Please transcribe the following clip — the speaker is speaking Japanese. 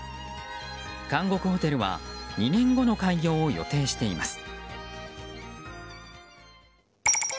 監獄ホテルは２年後の開業を予定しています。